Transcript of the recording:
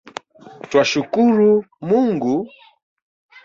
Twashkuru Mungu?